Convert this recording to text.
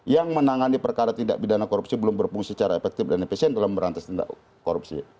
yang menangani perkara tindak pidana korupsi belum berfungsi secara efektif dan efisien dalam merantas tindak korupsi